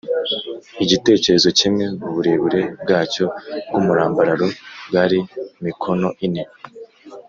igitereko kimwe uburebure bwacyo bw’umurambararo bwari mikono ine